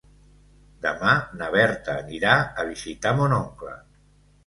Demà na Berta anirà a visitar mon oncle.